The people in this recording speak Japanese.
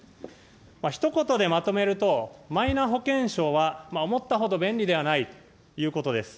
ひと言でまとめると、マイナ保険証は思ったほど便利ではないということです。